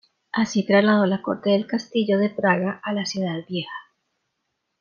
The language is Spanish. Así trasladó la corte del Castillo de Praga a la Ciudad Vieja.